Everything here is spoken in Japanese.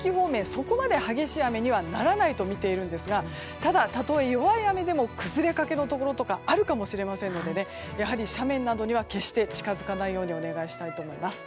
そこまで激しい雨にはならないとみているんですがただ、たとえ弱い雨でも崩れかけのところがあるかもしれませんのでやはり斜面などには決して近づかないようにお願いしたいと思います。